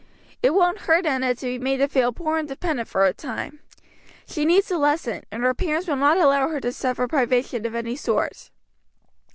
It won't hurt Enna to be made to feel poor and dependent for a time; she needs the lesson; and her parents will not allow her to suffer privation of any sort.